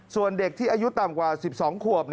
ส่วนเด็กที่อายุต่ำกว่า๑๒ขวบ